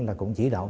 là cũng chỉ đạo